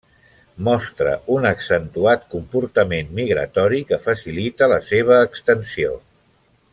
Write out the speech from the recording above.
Mostra un accentuat comportament migratori que facilita la seva extensió.